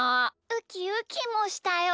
ウキウキもしたよ。